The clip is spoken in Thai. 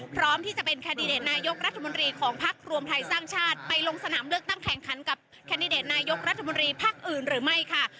พร้อมที่จะเป็นแคนดิเดตนายกรัฐมนตรีของพักรวมไทยสร้างชาติไปลงสนามเลือกตั้งแข่งขันกับแคนดิเดตนายกรัฐมนตรีพักอื่นหรือไม่ค่ะ